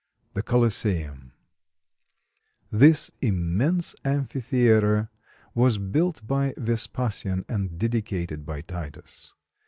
THE COLOSSEUM This immense amphitheater was built by Vespasian and dedicated by Titus.